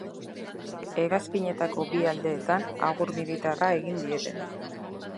Hegazkinetako bi aldeetan agur militarra egin diete.